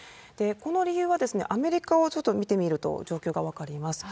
この理由は、アメリカをちょっと見てみると状況が分かります。